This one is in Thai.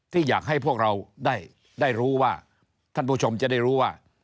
ที่อยากให้พวกเราได้รู้ว่าท่านผู้ชมจะได้รู้ว่า